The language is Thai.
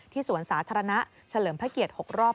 สวนสาธารณะเฉลิมพระเกียรติ๖รอบ